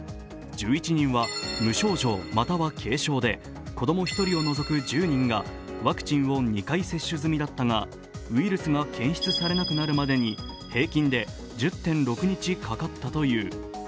１１人は無症状または軽症で子供１人を除く１０人がワクチンを２回接種済みだったがウイルスが検出されなくなるまでに平均で１０．６日かかったという。